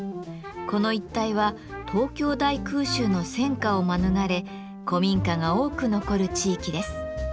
この一帯は東京大空襲の戦火を免れ古民家が多く残る地域です。